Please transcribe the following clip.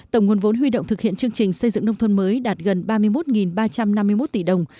tổng nguồn vốn huy động thực hiện chương trình xây dựng nông thôn mới đạt gần ba mươi một ba trăm năm mươi một tỷ đồng